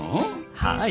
はい。